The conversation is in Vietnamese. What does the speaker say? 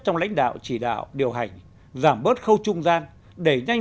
trong lãnh đạo chỉ đạo điều hành giảm bớt khâu trung gian đẩy nhanh